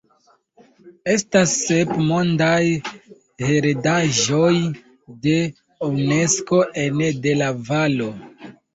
Estas sep Mondaj heredaĵoj de Unesko ene de la valo.